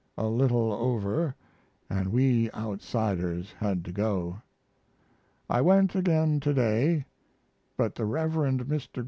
a little over & we outsiders had to go. I went again to day, but the Rev. Mr.